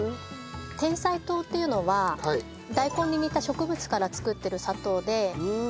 甜菜糖っていうのは大根に似た植物から作ってる砂糖で。